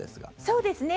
そうですね。